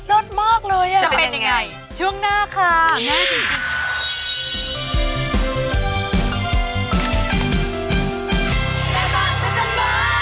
ยอดมากเลยอ่ะจะเป็นยังไงช่วงหน้าค่ะหน้าจริง